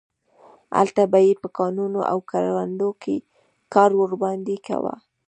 هلته به یې په کانونو او کروندو کې کار ورباندې کاوه.